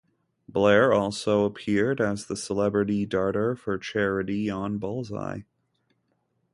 Blair also appeared as the celebrity darter for charity on "Bullseye".